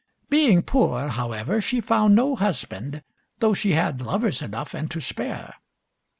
Being poor, however, she found no husband, though she had lovers enough and to spare.